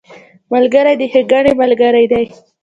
ملګری د ښېګڼې ملګری دی